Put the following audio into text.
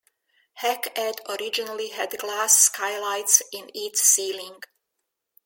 Hec Ed originally had glass skylights in its ceiling.